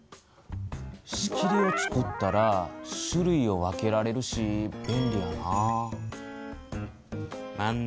しきりをつくったら種類を分けられるし便利やな。